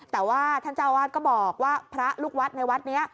แต่ว่าท่านเจ้าวาดก็บอกว่าพระลูกวัดในวัดนี้